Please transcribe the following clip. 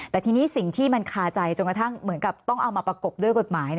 แต่ทีนี้สิ่งที่มันคาใจจนกระทั่งเหมือนกับต้องเอามาประกบด้วยกฎหมาย